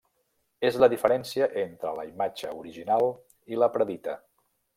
És la diferència entre la imatge original i la predita.